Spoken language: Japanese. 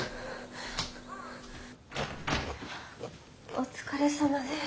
お疲れさまです。